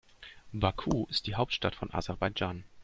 Baku ist die Hauptstadt von Aserbaidschan.